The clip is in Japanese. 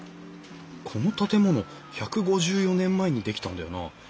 この建物１５４年前に出来たんだよな。